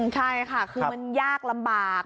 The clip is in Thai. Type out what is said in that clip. ใช่ค่ะคือมันยากลำบาก